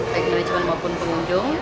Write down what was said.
teknologi maupun pengunjung